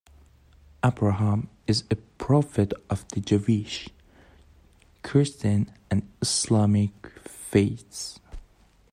Abraham is a prophet of the Jewish, Christian and Islamic faiths.